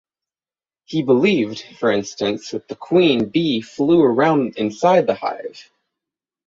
He believed for instance that the queen bee flew around inside the hive.